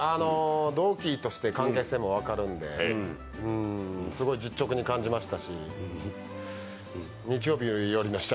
同期として関係性も分かるのですごい実直に感じましたし「日曜日よりの使者」